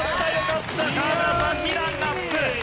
河村さん２段アップ。